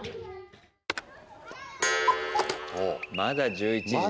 まだ１１時。